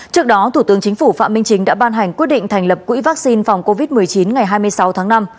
trước đó thủ tướng chính phủ phạm minh chính đã ban hành quyết định thành lập quỹ vaccine phòng covid một mươi chín ngày hai mươi sáu tháng năm